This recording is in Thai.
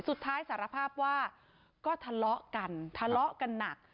สารภาพว่าก็ทะเลาะกันทะเลาะกันหนัก